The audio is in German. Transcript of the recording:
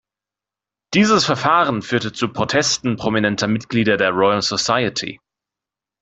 Dieses Verfahren führte zu Protesten prominenter Mitglieder der Royal Society.